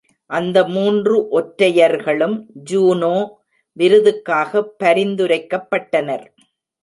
அந்த மூன்று ஒற்றையர்களும் ஜூனோ விருதுக்காக பரிந்துரைக்கப் பட்டனர்.